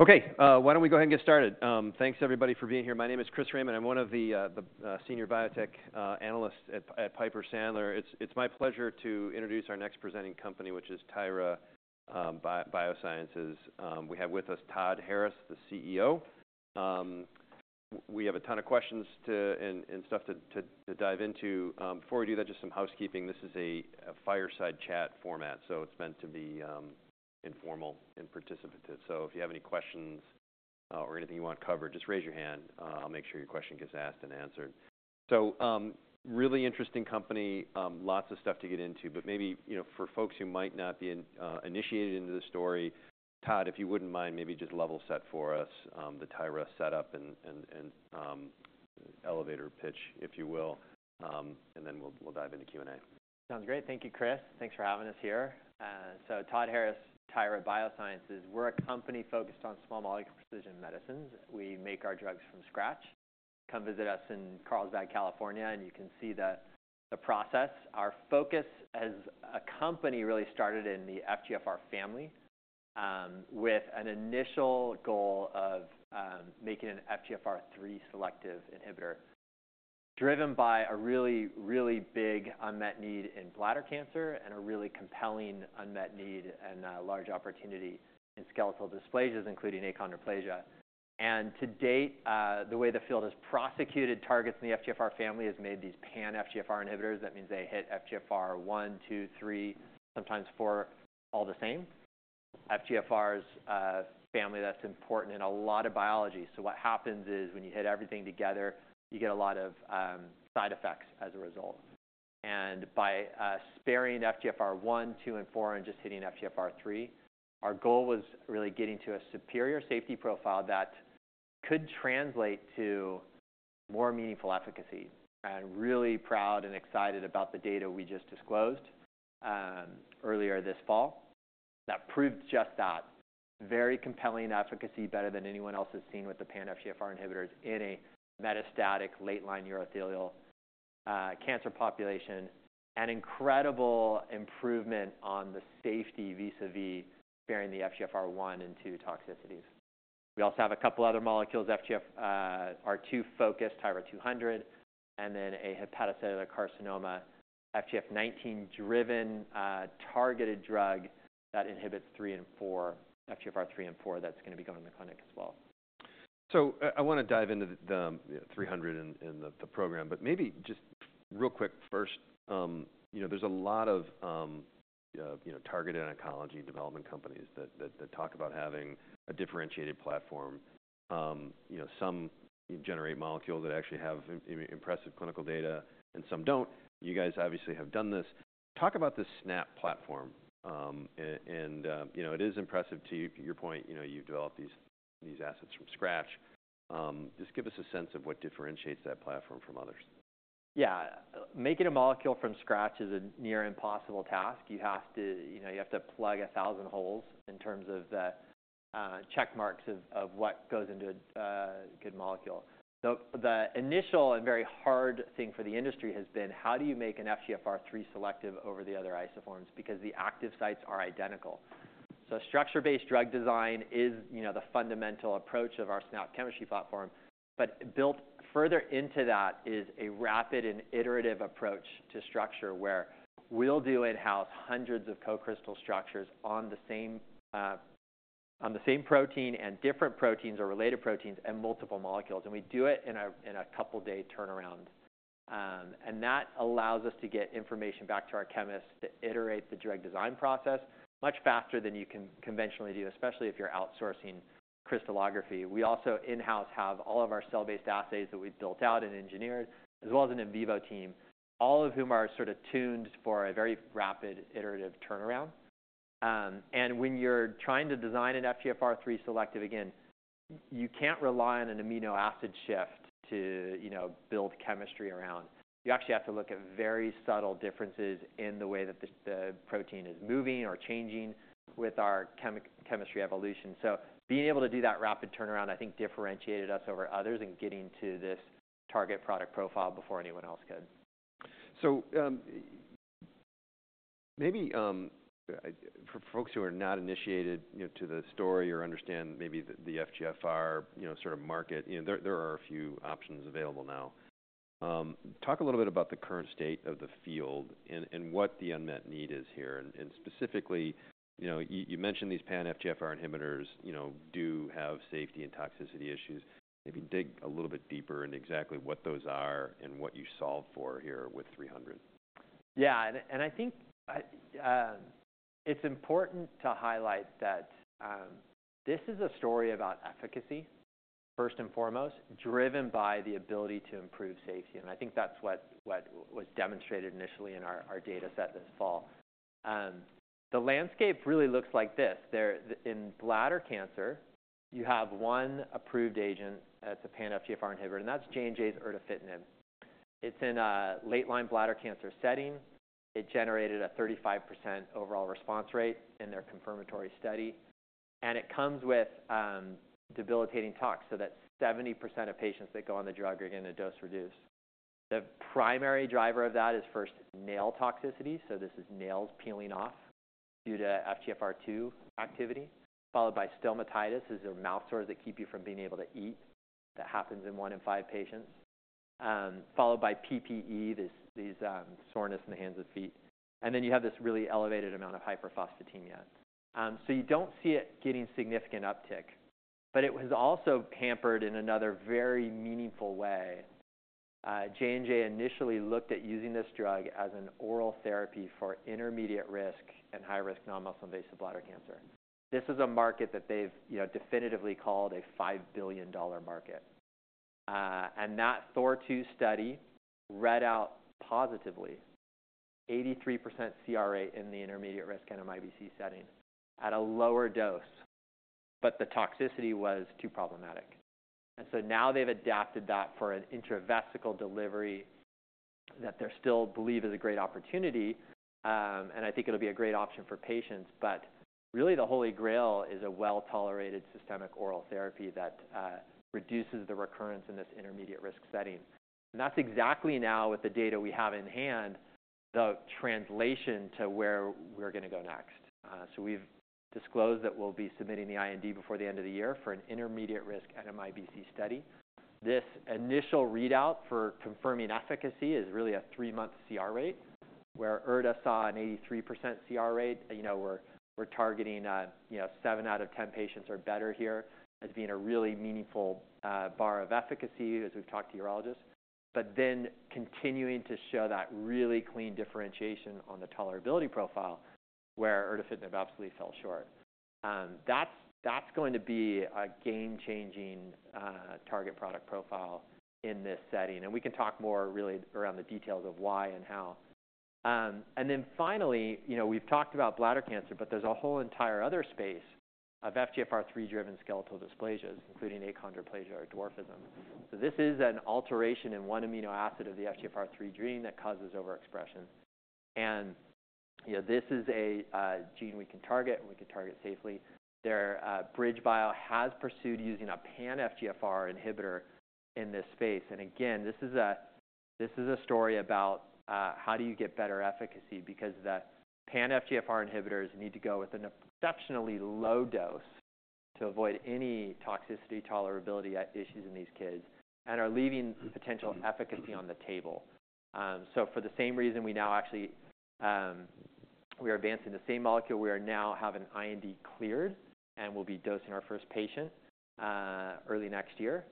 Okay, why don't we go ahead and get started. Thanks, everybody, for being here. My name is Chris Raymond. I'm one of the senior biotech analysts at Piper Sandler. It's my pleasure to introduce our next presenting company, which is Tyra Biosciences. We have with us Todd Harris, the CEO. We have a ton of questions and stuff to dive into. Before we do that, just some housekeeping. This is a fireside chat format, so it's meant to be informal and participative. So if you have any questions or anything you want to cover, just raise your hand. I'll make sure your question gets asked and answered. So really interesting company, lots of stuff to get into. But maybe for folks who might not be initiated into the story, Todd, if you wouldn't mind, maybe just level set for us the Tyra setup and elevator pitch, if you will. And then we'll dive into Q&A. Sounds great. Thank you, Chris. Thanks for having us here. So Todd Harris, Tyra Biosciences. We're a company focused on small molecular precision medicines. We make our drugs from scratch. Come visit us in Carlsbad, California, and you can see the process. Our focus as a company really started in the FGFR family with an initial goal of making an FGFR3 selective inhibitor driven by a really, really big unmet need in bladder cancer and a really compelling unmet need and large opportunity in skeletal dysplasias, including achondroplasia. And to date, the way the field has prosecuted targets in the FGFR family has made these pan-FGFR inhibitors. That means they hit FGFR1, FGFR2, FGFR3, sometimes FGFR4 all the same. FGFR is a family that's important in a lot of biology. So what happens is when you hit everything together, you get a lot of side effects as a result. And by sparing FGFR1, FGFR2, and FGFR4 and just hitting FGFR3, our goal was really getting to a superior safety profile that could translate to more meaningful efficacy. I'm really proud and excited about the data we just disclosed earlier this fall that proved just that: very compelling efficacy, better than anyone else has seen with the pan-FGFR inhibitors in a metastatic late-line urothelial cancer population, and incredible improvement on the safety vis-à-vis sparing the FGFR1 and FGFR2 toxicities. We also have a couple of other molecules, FGFR2-focused TYRA-200, and then a hepatocellular carcinoma FGF19-driven targeted drug that inhibits FGFR3 and FGFR4 that's going to be going to the clinic as well. So I want to dive into the 300 and the program. But maybe just real quick first, there's a lot of targeted oncology development companies that talk about having a differentiated platform. Some generate molecules that actually have impressive clinical data, and some don't. You guys obviously have done this. Talk about the SNAP platform. And it is impressive to your point, you've developed these assets from scratch. Just give us a sense of what differentiates that platform from others. Yeah. Making a molecule from scratch is a near impossible task. You have to plug 1,000 holes in terms of the checkmarks of what goes into a good molecule. The initial and very hard thing for the industry has been, how do you make an FGFR3 selective over the other isoforms? Because the active sites are identical. So structure-based drug design is the fundamental approach of our SNAP chemistry platform. But built further into that is a rapid and iterative approach to structure where we'll do in-house hundreds of co-crystal structures on the same protein and different proteins or related proteins and multiple molecules. And we do it in a couple-day turnaround. And that allows us to get information back to our chemists to iterate the drug design process much faster than you can conventionally do, especially if you're outsourcing crystallography. We also in-house have all of our cell-based assays that we've built out and engineered, as well as an in vivo team, all of whom are sort of tuned for a very rapid iterative turnaround, and when you're trying to design an FGFR3 selective, again, you can't rely on an amino acid shift to build chemistry around. You actually have to look at very subtle differences in the way that the protein is moving or changing with our chemistry evolution, so being able to do that rapid turnaround, I think, differentiated us over others in getting to this target product profile before anyone else could. So maybe for folks who are not initiated to the story or understand maybe the FGFR sort of market, there are a few options available now. Talk a little bit about the current state of the field and what the unmet need is here. And specifically, you mentioned these pan-FGFR inhibitors do have safety and toxicity issues. Maybe dig a little bit deeper into exactly what those are and what you solve for here with 300. Yeah, and I think it's important to highlight that this is a story about efficacy, first and foremost, driven by the ability to improve safety. And I think that's what was demonstrated initially in our data set this fall. The landscape really looks like this. In bladder cancer, you have one approved agent that's a pan-FGFR inhibitor, and that's J&J's erdafitinib. It's in a late-line bladder cancer setting. It generated a 35% overall response rate in their confirmatory study, and it comes with debilitating toxicity so that 70% of patients that go on the drug are going to dose-reduce. The primary driver of that is first nail toxicity, so this is nails peeling off due to FGFR2 activity, followed by stomatitis as their mouth sores that keep you from being able to eat. That happens in one in five patients, followed by PPE, this soreness in the hands and feet. Then you have this really elevated amount of hyperphosphatemia. So you don't see it getting significant uptick. But it was also hampered in another very meaningful way. J&J initially looked at using this drug as an oral therapy for intermediate risk and high-risk non-muscle invasive bladder cancer. This is a market that they've definitively called a $5 billion market. And that THOR-2 study read out positively 83% CR rate in the intermediate risk NMIBC setting at a lower dose. But the toxicity was too problematic. And so now they've adapted that for an intravesical delivery that they still believe is a great opportunity. And I think it'll be a great option for patients. But really, the Holy Grail is a well-tolerated systemic oral therapy that reduces the recurrence in this intermediate risk setting. And that's exactly, now with the data we have in hand, the translation to where we're going to go next. So we've disclosed that we'll be submitting the IND before the end of the year for an intermediate risk NMIBC study. This initial readout for confirming efficacy is really a three-month CR rate, where erdafitinib saw an 83% CR rate. We're targeting seven out of 10 patients are better here as being a really meaningful bar of efficacy as we've talked to urologists. But then continuing to show that really clean differentiation on the tolerability profile, where erdafitinib absolutely fell short. That's going to be a game-changing target product profile in this setting. And we can talk more really around the details of why and how. And then finally, we've talked about bladder cancer, but there's a whole entire other space of FGFR3-driven skeletal dysplasias, including achondroplasia or dwarfism. This is an alteration in one amino acid of the FGFR3 gene that causes overexpression. This is a gene we can target, and we can target safely. Their BridgeBio has pursued using a pan-FGFR inhibitor in this space. Again, this is a story about how do you get better efficacy because the pan-FGFR inhibitors need to go with an exceptionally low dose to avoid any toxicity tolerability issues in these kids and are leaving potential efficacy on the table. For the same reason, we now actually are advancing the same molecule. We now have an IND cleared, and we'll be dosing our first patient early next year.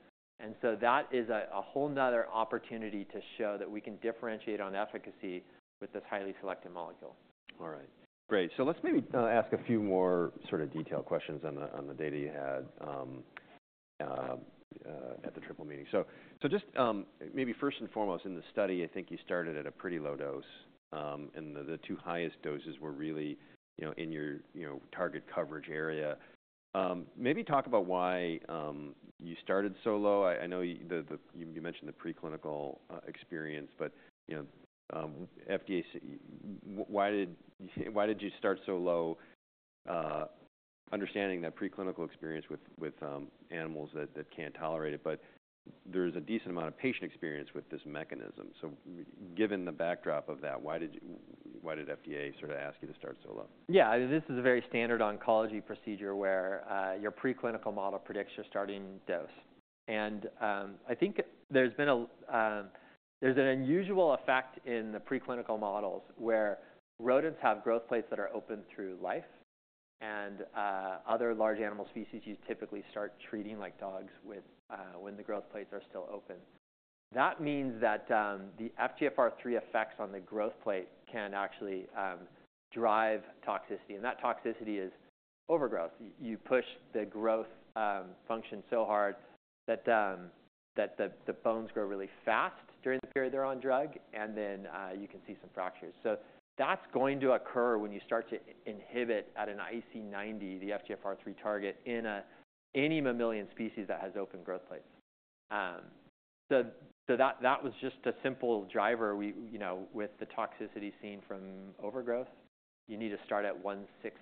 That is a whole nother opportunity to show that we can differentiate on efficacy with this highly selective molecule. All right. Great. So let's maybe ask a few more sort of detailed questions on the data you had at the Triple Meeting. So just maybe first and foremost, in the study, I think you started at a pretty low dose. And the two highest doses were really in your target coverage area. Maybe talk about why you started so low. I know you mentioned the preclinical experience. But why did you start so low? Understanding that preclinical experience with animals that can't tolerate it, but there is a decent amount of patient experience with this mechanism. So given the backdrop of that, why did FDA sort of ask you to start so low? Yeah. This is a very standard oncology procedure where your preclinical model predicts your starting dose. And I think there's an unusual effect in the preclinical models where rodents have growth plates that are open through life. And other large animal species you typically start treating like dogs when the growth plates are still open. That means that the FGFR3 effects on the growth plate can actually drive toxicity. And that toxicity is overgrowth. You push the growth function so hard that the bones grow really fast during the period they're on drug, and then you can see some fractures. So that's going to occur when you start to inhibit at an IC90 the FGFR3 target in any mammalian species that has open growth plates. So that was just a simple driver. With the toxicity seen from overgrowth, you need to start at 1/6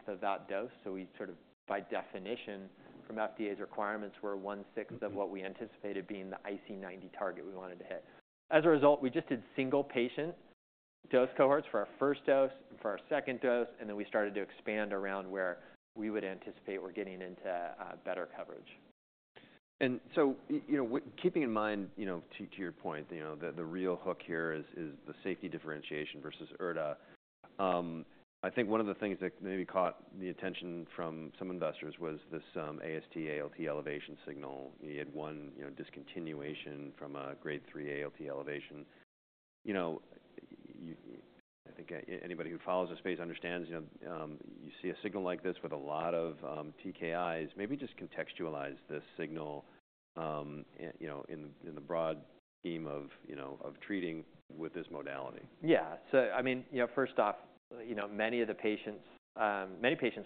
of that dose. So we sort of by definition from FDA's requirements were 1/6 of what we anticipated being the IC90 target we wanted to hit. As a result, we just did single patient dose cohorts for our first dose, for our second dose, and then we started to expand around where we would anticipate we're getting into better coverage. Keeping in mind, to your point, the real hook here is the safety differentiation versus erdafitinib. I think one of the things that maybe caught the attention from some investors was this AST/ALT elevation signal. You had one discontinuation from a grade three ALT elevation. I think anybody who follows this space understands you see a signal like this with a lot of TKIs. Maybe just contextualize this signal in the broad scheme of treating with this modality. Yeah. So I mean, first off, many patients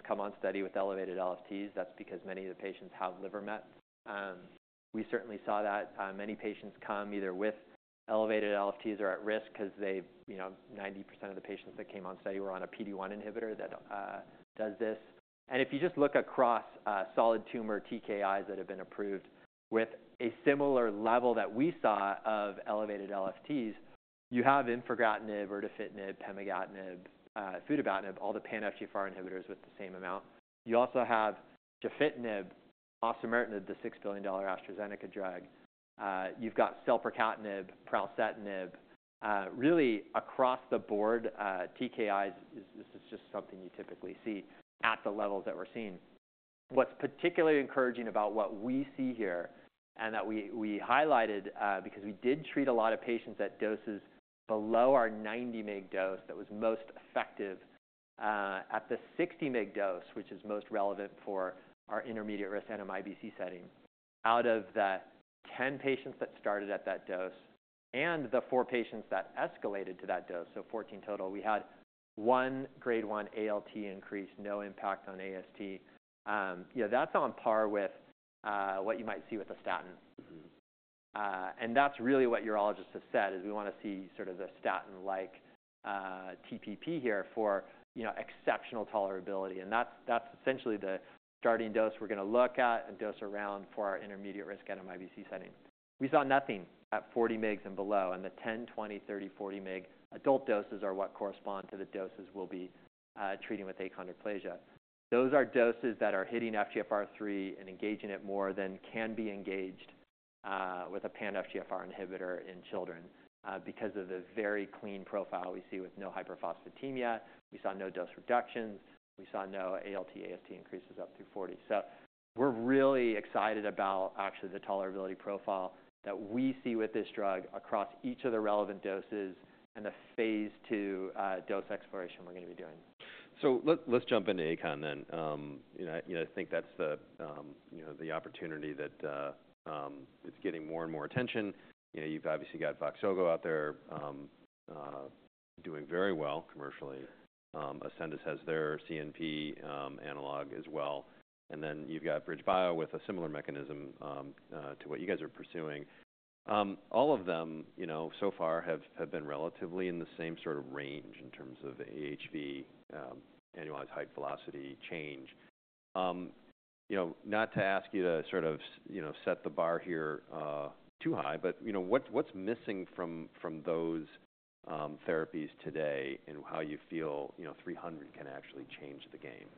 come on study with elevated LFTs. That's because many of the patients have liver met. We certainly saw that. Many patients come either with elevated LFTs or at risk because 90% of the patients that came on study were on a PD-1 inhibitor that does this. And if you just look across solid tumor TKIs that have been approved with a similar level that we saw of elevated LFTs, you have infigratinib, erdafitinib, pemigatinib, futibatinib, all the pan-FGFR inhibitors with the same amount. You also have afatinib, osimertinib, the $6 billion AstraZeneca drug. You've got selpercatinib, pralzetinib. Really, across the board, TKIs, this is just something you typically see at the levels that we're seeing. What's particularly encouraging about what we see here and that we highlighted because we did treat a lot of patients at doses below our 90-mg dose that was most effective at the 60-mg dose, which is most relevant for our intermediate risk NMIBC setting. Out of the 10 patients that started at that dose and the 4 patients that escalated to that dose, so 14 total, we had one grade 1 ALT increase, no impact on AST. That's on par with what you might see with a statin, and that's really what urologists have said is we want to see sort of a statin-like TPP here for exceptional tolerability, and that's essentially the starting dose we're going to look at and dose around for our intermediate risk NMIBC setting. We saw nothing at 40 mg and below. And the 10, 20, 30, 40-mg adult doses are what correspond to the doses we'll be treating with achondroplasia. Those are doses that are hitting FGFR3 and engaging it more than can be engaged with a pan-FGFR inhibitor in children because of the very clean profile we see with no hyperphosphatemia. We saw no dose reductions. We saw no ALT/AST increases up through 40. So we're really excited about actually the tolerability profile that we see with this drug across each of the relevant doses and the phase 2 dose exploration we're going to be doing. Let's jump into achondroplasia then. I think that's the opportunity that is getting more and more attention. You've obviously got Voxzogo out there doing very well commercially. Ascendis has their CNP analog as well. And then you've got BridgeBio with a similar mechanism to what you guys are pursuing. All of them so far have been relatively in the same sort of range in terms of AHV, annualized height velocity change. Not to ask you to sort of set the bar here too high, but what's missing from those therapies today and how you feel 300 can actually change the game?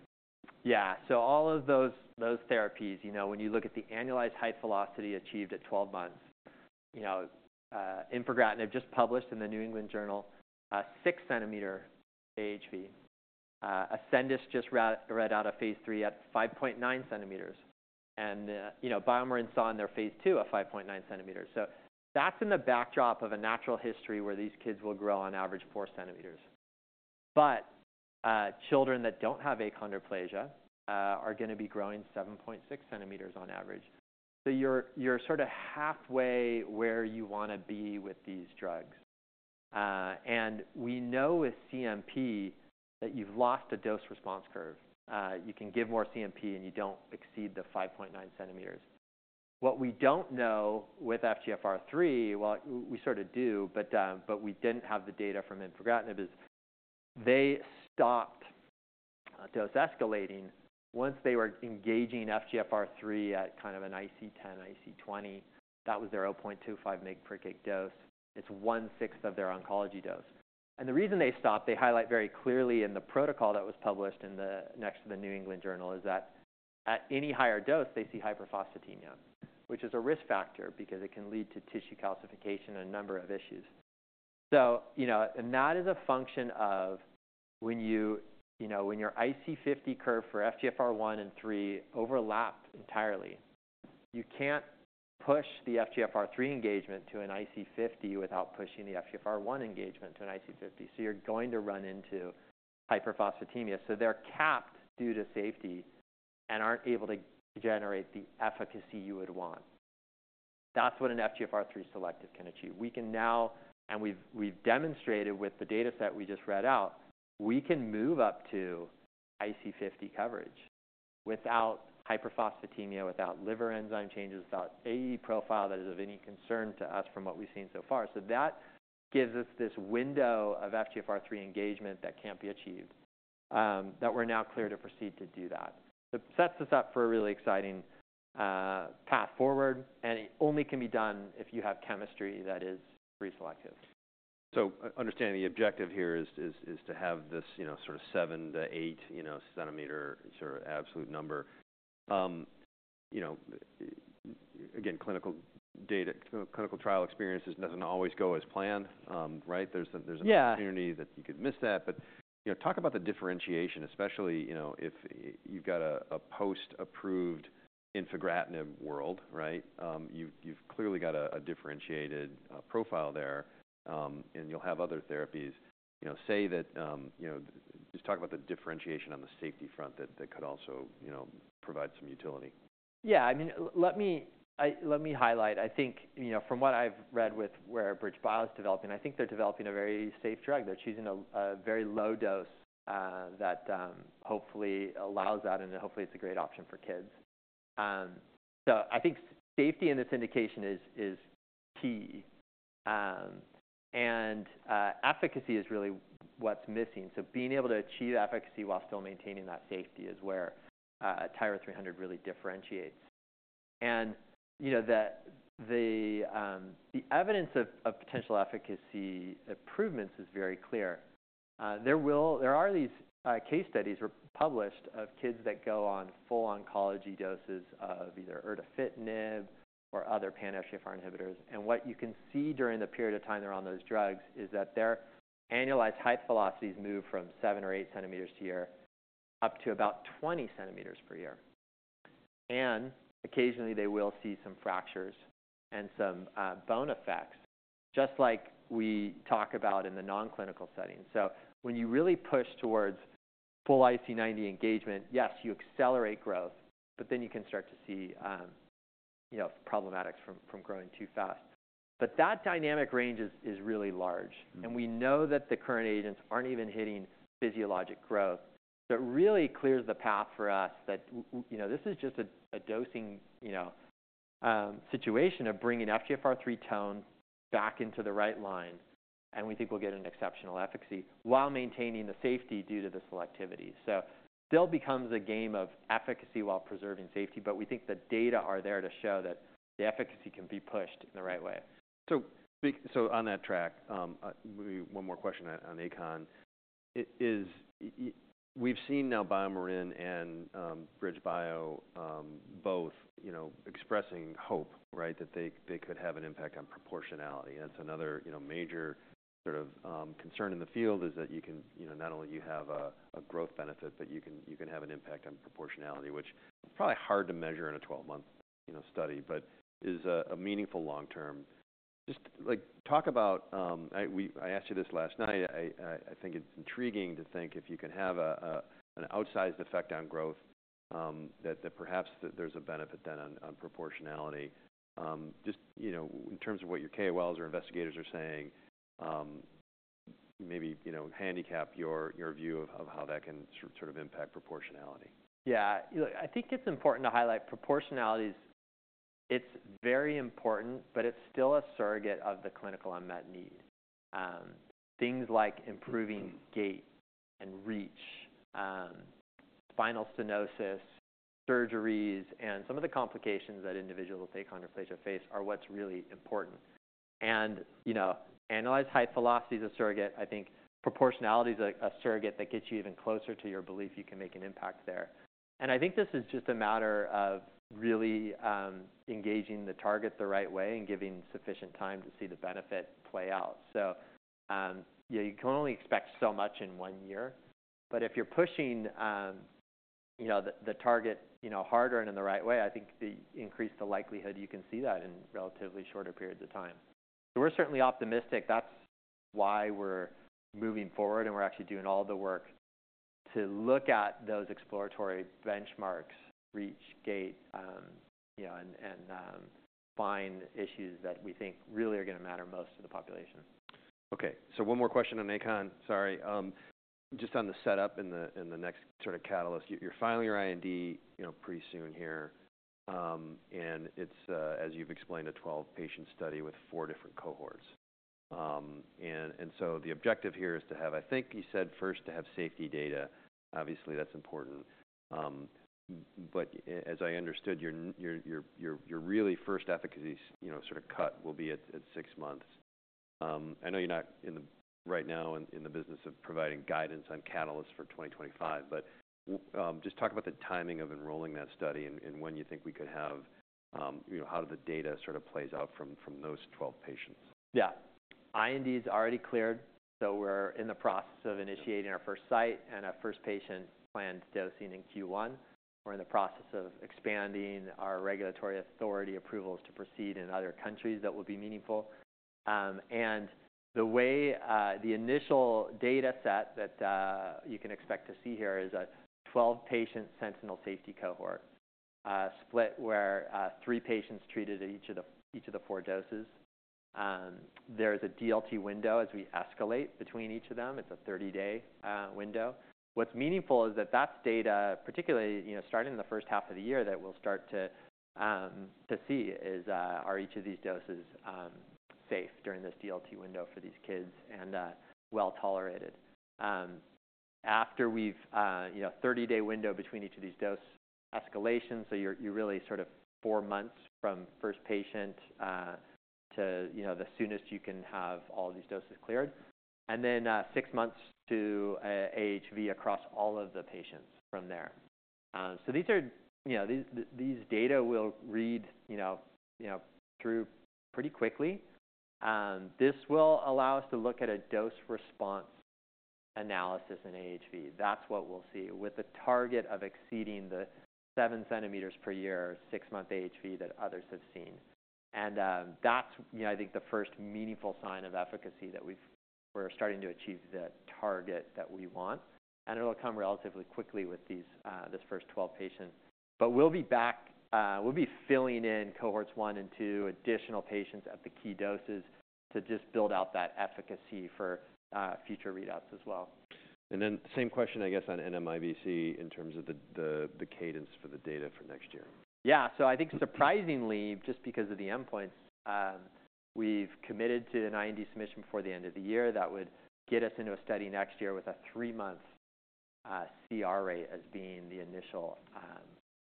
Yeah. So all of those therapies, when you look at the annualized height velocity achieved at 12 months, infigratinib just published in the New England Journal, 6 cm AHV. Ascendis just read out a phase three at 5.9 cm. And BioMarin saw in their phase two at 5.9 cm. So that's in the backdrop of a natural history where these kids will grow on average four cm. But children that don't have achondroplasia are going to be growing 7.6 cm on average. So you're sort of halfway where you want to be with these drugs. And we know with CNP that you've lost a dose response curve. You can give more CNP, and you don't exceed the 5.9 cm. What we don't know with FGFR3, well, we sort of do, but we didn't have the data from infigratinib is they stopped dose escalating once they were engaging FGFR3 at kind of an IC10, IC20. That was their 0.25 mg per kg dose. It's 1/6 of their oncology dose, and the reason they stopped, they highlight very clearly in the protocol that was published in the New England Journal of Medicine is that at any higher dose, they see hyperphosphatemia, which is a risk factor because it can lead to tissue calcification and a number of issues. And that is a function of when your IC50 curve for FGFR1 and three overlap entirely, you can't push the FGFR3 engagement to an IC50 without pushing the FGFR1 engagement to an IC50. So you're going to run into hyperphosphatemia. So they're capped due to safety and aren't able to generate the efficacy you would want. That's what an FGFR3 selective can achieve. We can now, and we've demonstrated with the data set we just read out, we can move up to IC50 coverage without hyperphosphatemia, without liver enzyme changes, without AE profile that is of any concern to us from what we've seen so far. So that gives us this window of FGFR3 engagement that can't be achieved that we're now clear to proceed to do that. So it sets us up for a really exciting path forward. And it only can be done if you have chemistry that is FGFR3-selective. Understanding the objective here is to have this sort of 7-8 centimeter sort of absolute number. Again, clinical trial experience doesn't always go as planned, right? There's an opportunity that you could miss that. Talk about the differentiation, especially if you've got a post-approved infigratinib world, right? You've clearly got a differentiated profile there. And you'll have other therapies. Say that just talk about the differentiation on the safety front that could also provide some utility. Yeah. I mean, let me highlight. I think from what I've read with where BridgeBio is developing, I think they're developing a very safe drug. They're choosing a very low dose that hopefully allows that, and hopefully it's a great option for kids. So I think safety in this indication is key. And efficacy is really what's missing. Being able to achieve efficacy while still maintaining that safety is where TYRA-300 really differentiates. And the evidence of potential efficacy improvements is very clear. There are these case studies published of kids that go on full oncology doses of either erdafitinib or other pan-FGFR inhibitors. And what you can see during the period of time they're on those drugs is that their annualized height velocities move from seven or eight centimeters a year up to about 20 centimeters per year. And occasionally, they will see some fractures and some bone effects just like we talk about in the non-clinical setting. So when you really push towards full IC90 engagement, yes, you accelerate growth, but then you can start to see problematics from growing too fast. But that dynamic range is really large. And we know that the current agents aren't even hitting physiologic growth. So it really clears the path for us that this is just a dosing situation of bringing FGFR3 tone back into the right line. And we think we'll get an exceptional efficacy while maintaining the safety due to the selectivity. So still becomes a game of efficacy while preserving safety. But we think the data are there to show that the efficacy can be pushed in the right way. So on that track, maybe one more question on achondroplasia. We've seen now BioMarin and BridgeBio both expressing hope, right, that they could have an impact on proportionality. And that's another major sort of concern in the field is that not only do you have a growth benefit, but you can have an impact on proportionality, which is probably hard to measure in a 12-month study, but is a meaningful long-term. Just talk about. I asked you this last night. I think it's intriguing to think if you can have an outsized effect on growth that perhaps there's a benefit then on proportionality. Just in terms of what your KOLs or investigators are saying, maybe handicap your view of how that can sort of impact proportionality. Yeah. I think it's important to highlight proportionality. It's very important, but it's still a surrogate of the clinical unmet need. Things like improving gait and reach, spinal stenosis, surgeries, and some of the complications that individuals with achondroplasia face are what's really important, and annualized height velocity is a surrogate. I think proportionality is a surrogate that gets you even closer to your belief you can make an impact there, and I think this is just a matter of really engaging the target the right way and giving sufficient time to see the benefit play out, so you can only expect so much in one year, but if you're pushing the target harder and in the right way, I think the increased likelihood you can see that in relatively shorter periods of time, so we're certainly optimistic. That's why we're moving forward, and we're actually doing all the work to look at those exploratory benchmarks, reach, gait, and find issues that we think really are going to matter most to the population. Okay, so one more question on achondroplasia. Sorry. Just on the setup and the next sort of catalyst, you're filing your IND pretty soon here. And it's, as you've explained, a 12-patient study with four different cohorts. And so the objective here is to have, I think you said, first to have safety data. Obviously, that's important. But as I understood, the really first efficacy sort of cut will be at six months. I know you're not right now in the business of providing guidance on catalysts for 2025, but just talk about the timing of enrolling that study and when you think we could have how the data sort of plays out from those 12 patients. Yeah. IND is already cleared. So we're in the process of initiating our first site, and our first patient planned dosing in Q1. We're in the process of expanding our regulatory authority approvals to proceed in other countries that will be meaningful. And the initial data set that you can expect to see here is a 12-patient sentinel safety cohort split where three patients treated at each of the four doses. There is a DLT window as we escalate between each of them. It's a 30-day window. What's meaningful is that that's data, particularly starting in the first half of the year that we'll start to see is are each of these doses safe during this DLT window for these kids and well tolerated. we have a 30-day window between each of these dose escalations, so you're really sort of four months from first patient to the soonest you can have all these doses cleared, and then six months to AHV across all of the patients from there, so these data will read through pretty quickly. This will allow us to look at a dose response analysis in AHV. That's what we'll see with the target of exceeding the 7 centimeters per year six-month AHV that others have seen, and that's, I think, the first meaningful sign of efficacy that we're starting to achieve the target that we want, and it'll come relatively quickly with this first 12 patients, but we'll be filling in cohorts one and two, additional patients at the key doses to just build out that efficacy for future readouts as well. And then, same question, I guess, on NMIBC in terms of the cadence for the data for next year? Yeah. So I think surprisingly, just because of the endpoints, we've committed to an IND submission before the end of the year that would get us into a study next year with a three-month CR rate as being the initial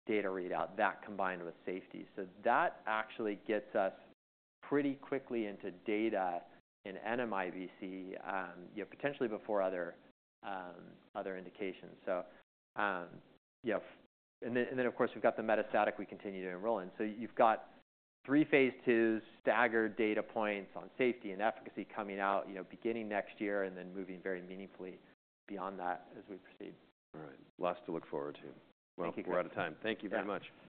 data readout that combined with safety. So that actually gets us pretty quickly into data in NMIBC potentially before other indications. And then, of course, we've got the metastatic we continue to enroll in. So you've got three phase 2s, staggered data points on safety and efficacy coming out beginning next year and then moving very meaningfully beyond that as we proceed. All right. Lots to look forward to. Thank you. We're out of time. Thank you very much.